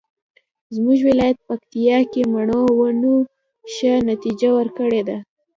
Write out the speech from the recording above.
زمونږ ولایت پکتیکا کې مڼو ونو ښه نتیجه ورکړې ده